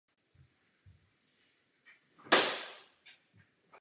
Režisérem filmu je Rob Reiner.